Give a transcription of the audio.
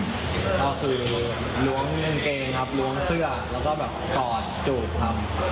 ก็คือล้วงกางเกงครับล้วงเสื้อแล้วก็แบบกอดจูบครับ